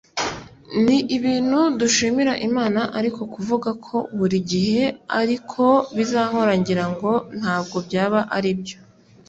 ni ibintu dushimira Imana ariko kuvuga ko buri gihe ariko bizahora ngira ngo ntabwo byaba ari byo